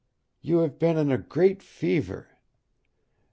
You have been in a great fever.